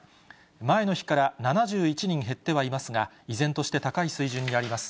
前の日から７１人減ってはいますが、依然として高い水準にあります。